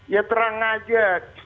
ya terang aja